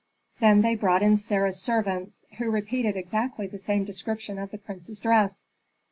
Then they brought in Sarah's servants, who repeated exactly the same description of the prince's dress.